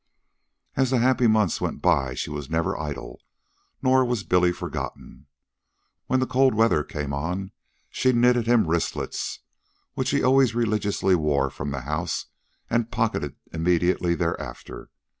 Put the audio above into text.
As the happy months went by she was never idle. Nor was Billy forgotten. When the cold weather came on she knitted him wristlets, which he always religiously wore from the house and pocketed immediately thereafter.